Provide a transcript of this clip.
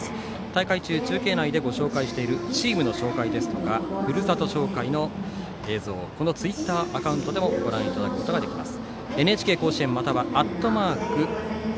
大会中、中継内でご紹介しているチームの紹介ですとかふるさと紹介の映像をツイッターアカウントでもご覧いただくことできます。